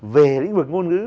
về lĩnh vực ngôn ngữ